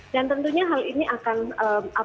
dan tentunya hal ini akan apa